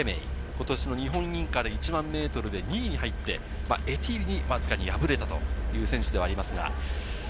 今年の日本インカレ１００００ｍで２位に入ってエティーリにわずかに敗れたという選手ではあります。